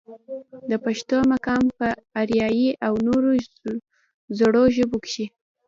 د پښتو مقام پۀ اريائي او نورو زړو ژبو کښې